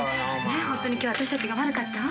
本当に今日は私たちが悪かったわ。